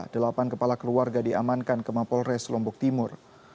delapan kepala keluarga diamankan ke mapolres lombok timur